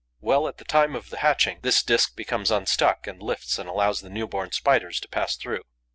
Well, at the time of the hatching, this disk becomes unstuck, lifts and allows the new born Spiders to pass through.